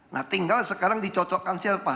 nah tinggal sekarang dicocokkan siapa